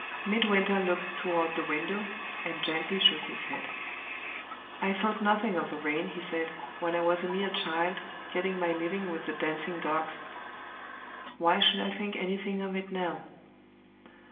Midwinter looked toward the window, and gently shook his head. "I thought nothing of the rain," he said, "when I was a mere child, getting my living with the dancing dogs why should I think anything of it now?